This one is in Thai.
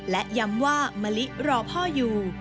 และย้ำว่ามะลิรอพ่ออยู่